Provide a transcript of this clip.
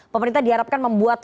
pemerintah diharapkan membuat